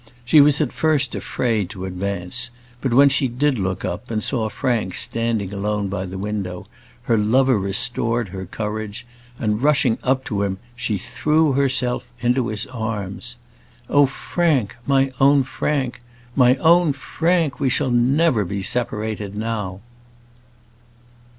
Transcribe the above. She was at first afraid to advance, but when she did look up, and saw Frank standing alone by the window, her lover restored her courage, and rushing up to him, she threw herself into his arms. "Oh, Frank; my own Frank! my own Frank! we shall never be separated now."